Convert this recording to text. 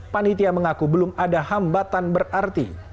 panitia mengaku belum ada hambatan berarti